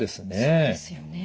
そうですよね。